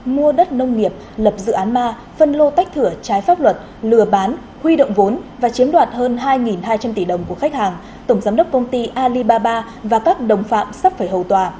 mua đất nông nghiệp lập dự án ma phân lô tách thửa trái pháp luật lừa bán huy động vốn và chiếm đoạt hơn hai hai trăm linh tỷ đồng của khách hàng tổng giám đốc công ty alibaba và các đồng phạm sắp phải hầu tòa